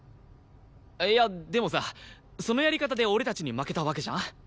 いやでもさそのやり方で俺たちに負けたわけじゃん？